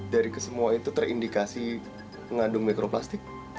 dari kesemua itu terindikasi mengandung mikroplastik